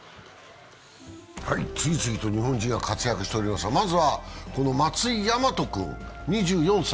次々と日本人が活躍しておりますがまずは松井大和君、２４歳。